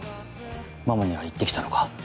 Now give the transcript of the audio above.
ママには言って来たのか。